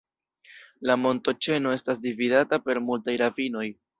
La montoĉeno estas dividata per multaj ravinoj.